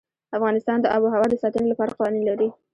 افغانستان د آب وهوا د ساتنې لپاره قوانین لري.